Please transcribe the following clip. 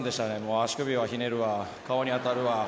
足首はひねるわ、顔に当たるわ。